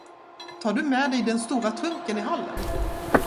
Tar du med dig den stora trunken i hallen?